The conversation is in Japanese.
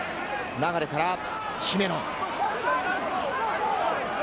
流から姫野。